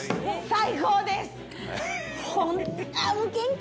最高です！